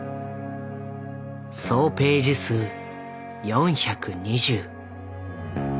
総ページ数４２０。